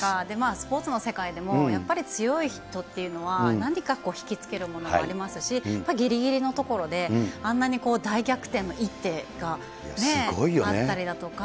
スポーツの世界でも、やっぱり強い人っていうのは、何か引き付けるものがありますし、ぎりぎりのところであんなに大逆転の一手があったりだとか。